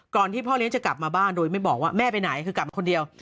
ที่พ่อเลี้ยงจะกลับมาบ้านโดยไม่บอกว่าแม่ไปไหนคือกลับมาคนเดียว